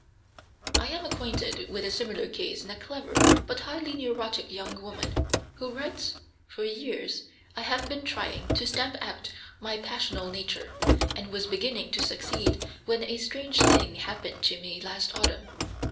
I am acquainted with a similar case in a clever, but highly neurotic, young woman, who writes: "For years I have been trying to stamp out my passional nature, and was beginning to succeed when a strange thing happened to me last autumn.